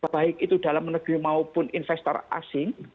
baik itu dalam negeri maupun investor asing